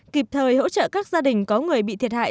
kịp thời hỗ trợ các gia đình có người bị thiệt hại